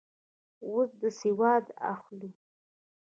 اوس سودا اخلو